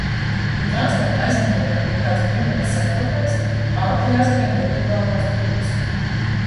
Ja transporta aizmugurē ir kāds bruņots sekotājs, ātri jāskrien pie tuvākās grupas.